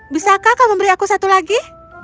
bisakah kau memberi aku satu lagi